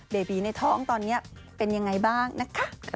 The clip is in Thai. เบบีในท้องตอนนี้เป็นยังไงบ้างนะคะ